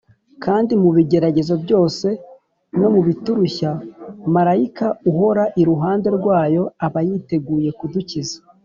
kandi mu bigeragezo byose no mu biturushya, marayika uhora iruhande rwayo aba yiteguye kudukiza